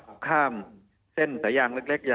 มีความรู้สึกว่ามีความรู้สึกว่า